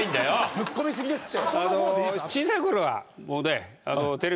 ⁉ぶっ込み過ぎですって。